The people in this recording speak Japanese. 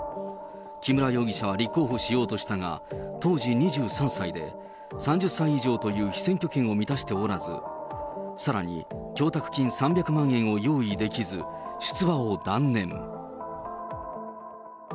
木村容疑者は立候補しようとしたが、当時２３歳で、３０歳以上という被選挙権を満たしておらず、さらに供託金３００万円を用意できず、出馬を断念。